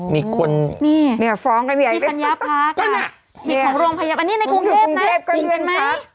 มีคนพี่ธัญาพักษ์ค่ะชิดของโรงพยาบาลอันนี้ในกรุงเทพนะจริงไหม